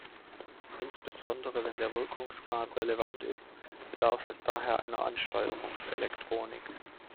Insbesondere wenn der Wirkungsgrad relevant ist, bedarf es daher einer Ansteuerungselektronik.